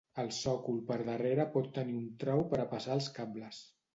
El sòcol per darrere pot tenir un trau per a passar els cables.